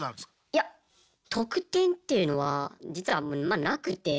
いや特典っていうのは実はあんまなくて。